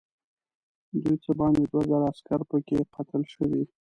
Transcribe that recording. دوی څه باندې دوه زره عسکر پکې قتل شوي.